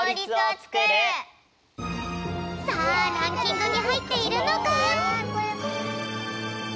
さあランキングにはいっているのか？